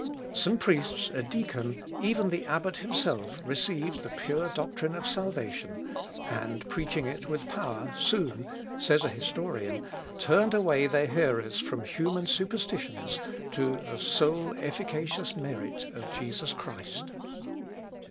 " Some priests, a deacon, even the abbot himself, received the pure doctrine of salvation, and preaching it with power, "soon," (says a historian,) "turned away their hearers from human superstitions to the sole efficacious merit of Jesus Christ."